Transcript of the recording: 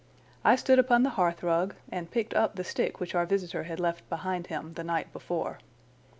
I stood upon the hearth rug and picked up the stick which our visitor had left behind him the night before.